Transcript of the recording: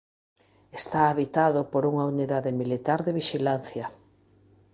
Está habitado por unha unidade militar de vixilancia.